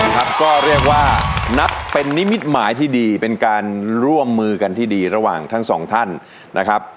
ก็เรียกว่านับเป็นนิมิตหมายที่ดีเป็นการร่วมมือกันที่ดีระหว่างทั้งสองท่านนะครับ